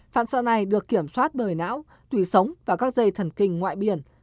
phản xo này được kiểm soát bởi não tủy sống và các dây thần kinh ngoại biển